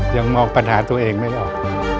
ยังมองปัญหาตัวเองไม่ออก